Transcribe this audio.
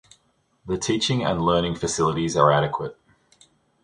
The teaching and learning facilities are adequate.